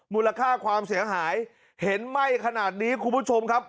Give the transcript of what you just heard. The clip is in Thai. มูลค่าความเสียหายเห็นไหม้ขนาดนี้คุณผู้ชมครับ